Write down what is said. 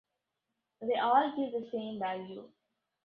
They all give the same value.